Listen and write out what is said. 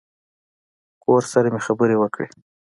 کور سره مې خبرې وکړې.